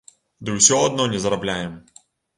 Ды ўсё адно не зарабляем.